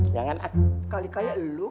jangan sekali kayak lo kak